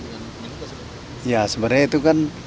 dengan komunikasi ya sebenarnya itu kan